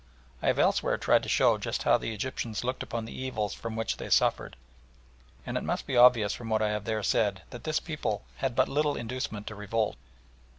I have elsewhere tried to show how the Egyptians looked upon the evils from which they suffered, and it must be obvious from what I have there said that this people had but little inducement to revolt.